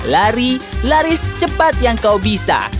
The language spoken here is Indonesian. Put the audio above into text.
lari lari secepat yang kau bisa